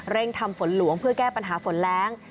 ทำฝนหลวงเพื่อแก้ปัญหาฝนแรง